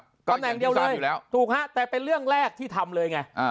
ตำแหน่งเดียวเลยถูกฮะแต่เป็นเรื่องแรกที่ทำเลยไง